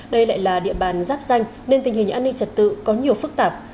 đây lại là địa bàn giáp danh nên tình hình an ninh trật tự có nhiều phức tạp